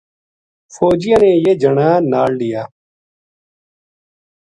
فوجیاں نے یہ جنا نال لیا